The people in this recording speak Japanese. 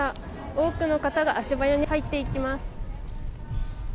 多くの方が足早に入っていきます。